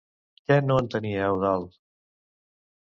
Què no entenia Eudald?